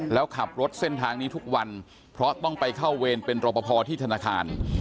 แล้วขับรถเส้นทางนี้ทุกวันเพราะต้องไปเข้าเวรเป็นรอปภที่ธนาคาร